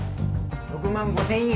６万５０００円。